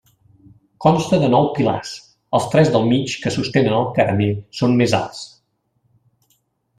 Consta de nou pilars, els tres del mig que sostenen el carener són més alts.